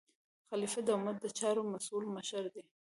خلیفه د امت د چارو مسؤل مشر دی.